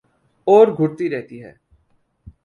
اور گھٹتی رہتی ہے